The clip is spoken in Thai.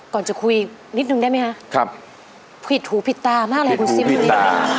ก่อนจะคุยนิดนึงได้ไหมคะครับผิดหูผิดตามากเลยคุณซิมบุรี